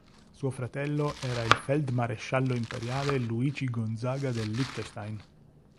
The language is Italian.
Suo fratello era il feldmaresciallo imperiale Luigi Gonzaga del Liechtenstein.